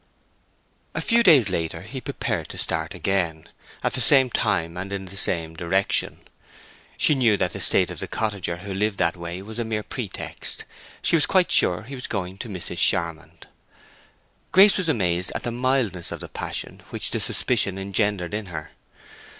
A few days later he prepared to start again, at the same time and in the same direction. She knew that the state of the cottager who lived that way was a mere pretext; she was quite sure he was going to Mrs. Charmond. Grace was amazed at the mildness of the passion which the suspicion engendered in her.